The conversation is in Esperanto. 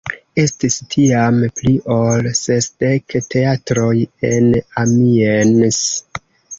Estis tiam pli ol sesdek teatroj en Amiens.